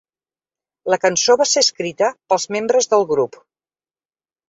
La cançó va ser escrita pels membres del grup.